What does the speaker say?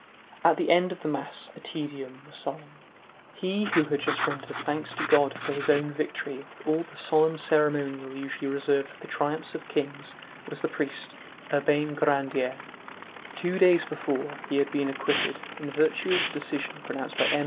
At the end of the mass a Te Deum was sung. He who had just rendered thanks to God for his own victory with all the solemn ceremonial usually reserved for the triumphs of kings was the priest Urbain Grandier. Two days before, he had been acquitted, in virtue of a decision pronounced by M.